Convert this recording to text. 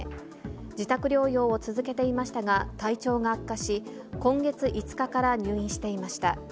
自宅療養を続けていましたが、体調が悪化し、今月５日から入院していました。